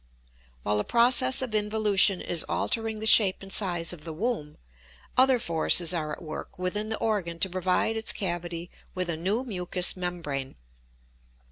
While the process of involution is altering the shape and size of the womb, other forces are at work within the organ to provide its cavity with a new mucous membrane.